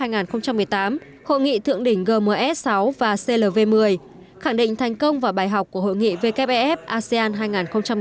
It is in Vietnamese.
năm hai nghìn một mươi tám hội nghị thượng đỉnh gms sáu và clv một mươi khẳng định thành công và bài học của hội nghị wff asean hai nghìn một mươi tám